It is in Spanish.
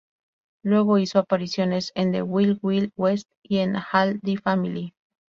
Luego, hizo apariciones en "The Wild Wild West" y en "All in the Family".